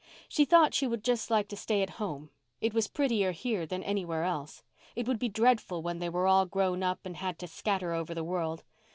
She thought she would just like to stay at home. It was prettier here than anywhere else. It would be dreadful when they were all grown up and had to scatter over the world.